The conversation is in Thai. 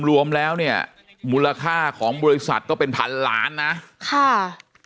รวมแล้วเนี่ยมูลค่าของบริษัทก็เป็นพันล้านนะค่ะ